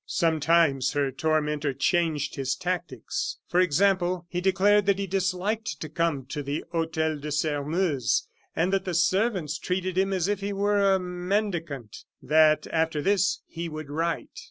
Sometimes her tormentor changed his tactics. For example, he declared that he disliked to come to the Hotel de Sairmeuse, that the servants treated him as if he were a mendicant, that after this he would write.